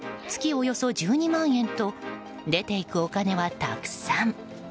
およそ１２万円と出て行くお金は、たくさん。